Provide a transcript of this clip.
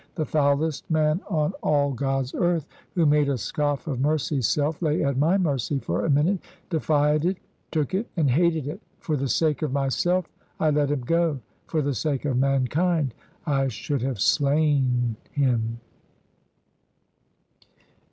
The foulest man on all God's earth, who made a scoff of mercy's self, lay at my mercy for a minute, defied it, took it, and hated it. For the sake of myself, I let him go. For the sake of mankind, I should have slain him.